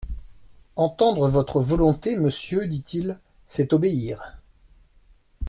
Entendre votre volonté, monsieur, dit-il, c'est obéir.